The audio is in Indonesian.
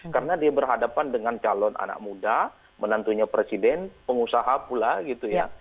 karena dia berhadapan dengan calon anak muda menantunya presiden pengusaha pula gitu ya